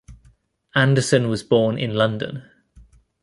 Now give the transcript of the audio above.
Anderson was born in London.